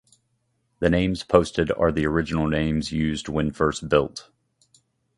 The names posted are the original names used when first built.